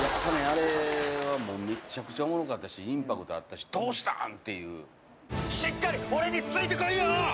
あれはもうめっちゃくちゃおもろかったしインパクトあったしどうしたん！？っていうしっかり俺についてこいよ！